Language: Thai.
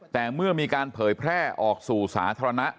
แต่เมื่อมีการเผยแพร่ออกสู่สาธารณะ